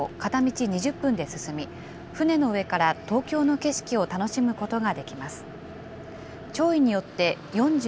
晴海運河と隅田川を片道２０分で進み、船の上から東京の景色を楽しむことができます。